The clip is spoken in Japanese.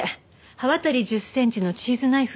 刃渡り１０センチのチーズナイフ。